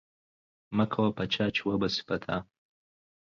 مکوه په چا چی و به سی په تا